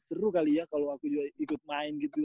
seru kali ya kalau aku juga ikut main gitu